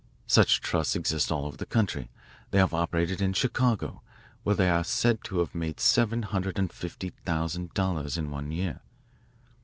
Such 'trusts' exist all over the country. They have operated in Chicago, where they are said to have made seven hundred and fifty thousand dollars in one year.